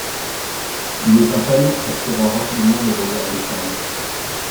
Mais un panneau attira rapidement le regard de Charlie.